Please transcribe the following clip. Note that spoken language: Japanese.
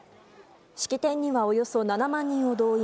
式典にはおよそ７万人を動員。